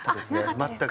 全く。